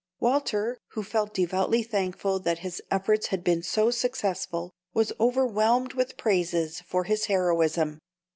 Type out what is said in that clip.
Walter, who felt devoutly thankful that his efforts had been so successful, was overwhelmed with praises for his heroism.